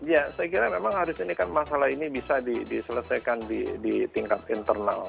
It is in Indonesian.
ya saya kira memang harus ini kan masalah ini bisa diselesaikan di tingkat internal